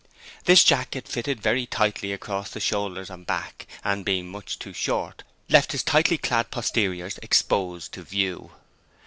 This jacket fitted very tightly across the shoulders and back and being much too short left his tightly clad posteriors exposed to view.